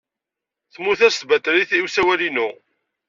Temmut-as tbatrit i usawal-inu.